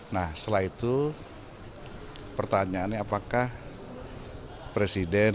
nah setelah itu pertanyaannya apakah presiden